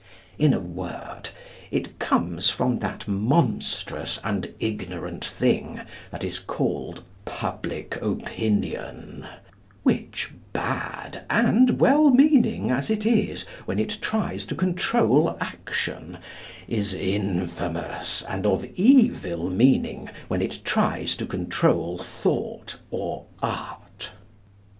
In a word, it comes from that monstrous and ignorant thing that is called Public Opinion, which, bad and well meaning as it is when it tries to control action, is infamous and of evil meaning when it tries to control Thought or Art.